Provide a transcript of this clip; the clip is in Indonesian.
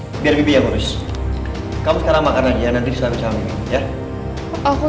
hai tadi kamu kedapkan piring biar lebih lurus kamu sekarang makan aja nanti selalu selalu ya aku